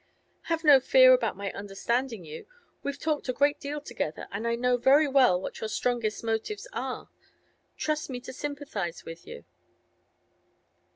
'Have no fear about my understanding you. We've talked a great deal together, and I know very well what your strongest motives are. Trust me to sympathise with you.